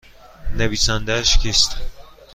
نویسندهاش کیست؟